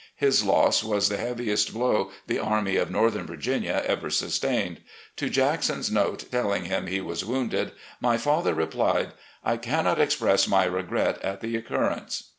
His loss was the heaviest blow the Army of Northern Virginia ever sustained. To Jackson's note telling him he was wounded, my father replied; " I cannot express my regret at the occurrence.